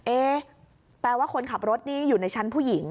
แปลว่าคนขับรถนี่อยู่ในชั้นผู้หญิง